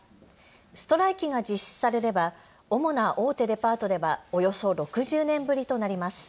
ストライキが実施されれば主な大手デパートではおよそ６０年ぶりとなります。